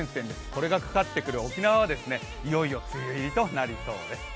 これがかかってくる沖縄はいよいよ梅雨入りとなりそうです。